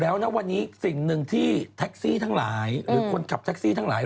และวันนี้สิ่งหนึ่งที่แท็กซี่ทั้งหลาย